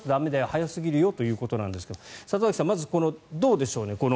早すぎるよということですが里崎さん、まず、どうでしょうね